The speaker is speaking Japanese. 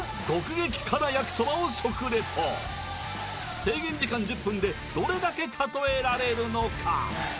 激辛やきそばを食レポ制限時間１０分でどれだけたとえられるのか？